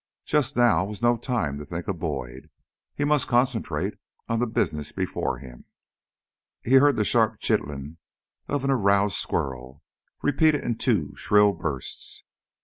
Just now was no time to think of Boyd; he must concentrate on the business before him. He heard the sharp chittering of an aroused squirrel, repeated in two shrill bursts.